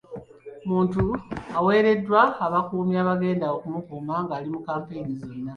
Muntu aweereddwa abakuumi abagenda okumukuuma ng'ali mu kkampeyini zonna.